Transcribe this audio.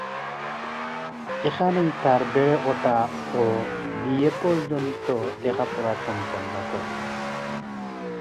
এখানেই তার বেড়ে ওঠা ও বিএ পর্যন্ত লেখাপড়া সম্পন্ন করেন।